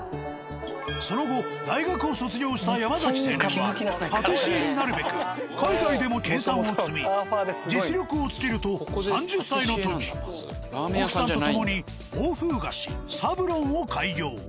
その後大学を卒業した山青年はパティシエになるべく海外でも研鑽を積み実力を付けると３０歳の時奥さんと共に「欧風菓子サブロン」を開業。